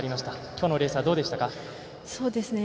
きょうのレースはどうでしたか？